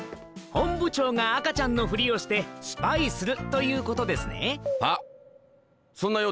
本部長が赤ちゃんのフリをしてスパイするということですね。